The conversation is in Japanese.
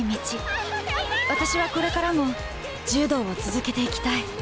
私はこれからも柔道を続けていきたい。